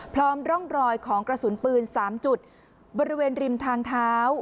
พร้อมร่องรอยของกระสุนปืน๓จุดบริเวณริมทางเท้า